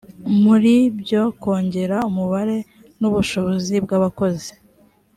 muri byo kongera umubare n ubushobozi bw abakozi